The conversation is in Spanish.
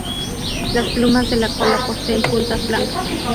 Las plumas de la cola poseen puntas blancas.